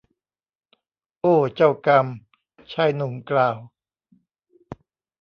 โอ้เจ้ากรรม ชายหนุ่มกล่าว